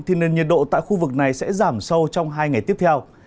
thì nền nhiệt độ tại khu vực này sẽ giảm sâu trong hai ngày tiếp theo